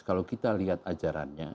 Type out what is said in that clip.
kalau kita lihat ajarannya